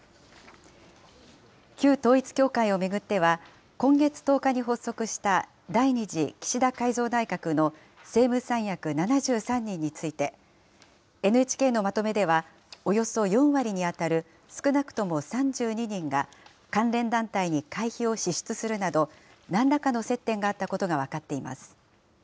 旧統一教会を巡っては、今月１０日に発足した第２次岸田改造内閣の政務三役７３人について、ＮＨＫのまとめではおよそ４割に当たる少なくとも３２人が、関連団体に会費を支出するなど、なんらかの接点があったことが分かっています。